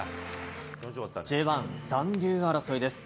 Ｊ１残留争いです。